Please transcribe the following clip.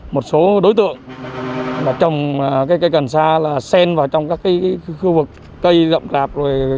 một số đối tượng trồng cây cần xa là sen vào trong các khu vực cây rộng rạp